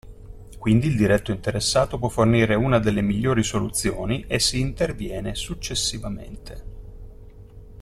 Quindi il diretto interessato può fornire una delle migliori soluzioni e si interviene successivamente.